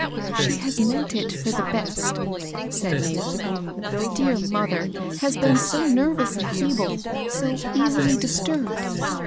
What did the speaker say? . ^^She has meant it for the best," said Mabel. Dear mother has been so nervous and feeble, so easily disturbed."